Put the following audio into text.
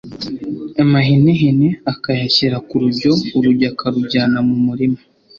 amahenehene akayashyira ku rujyo, urujyo akarujyana mu murima